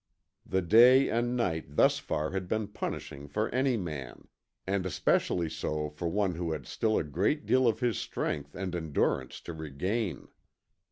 The day and night thus far had been punishing for any man, and especially so for one who had still a great deal of his strength and endurance to regain.